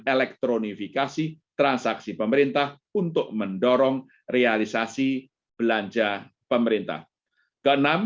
elektronifikasi transaksi pemerintah untuk mendorong realisasi belanja pemerintah ke enam